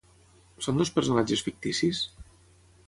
Són dos personatges ficticis?